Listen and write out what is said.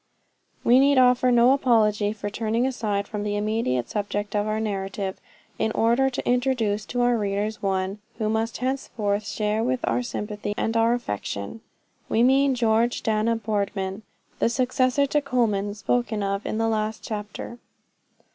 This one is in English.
We need offer no apology for turning aside from the immediate subject of our narrative, in order to introduce to our readers one, who must henceforth share with her our sympathy and our affection; we mean George Dana Boardman the successor to Colman spoken of in the last chapter.